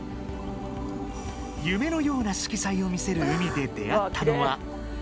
夢のような色彩を見せる海で出会ったのは。